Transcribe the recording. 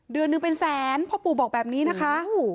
เดือนหนึ่งเป็นแสนพ่อปู่บอกแบบนี้นะคะ